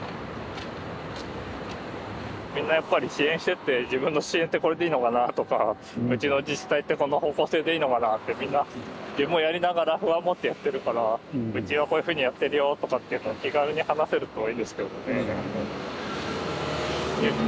みんなやっぱり支援してて自分の支援ってこれでいいのかなとかうちの自治体ってこの方向性でいいのかなってみんな自分もやりながら不安持ってやってるからうちはこういうふうにやってるよとかっていうのを気軽に話せるといいですけどね。